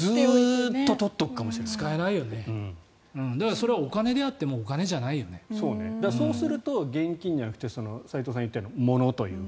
それはお金であってもそうすると現金じゃなくて斎藤さんが言ったようなものというか